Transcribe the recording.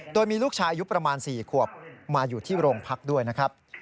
โดยมีลูกชายอายุประมาณ๔ขวบมาอยู่ที่โรงพักด้วยนะครับ